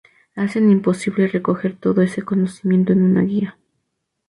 hacen imposible recoger todo ese conocimiento en una guía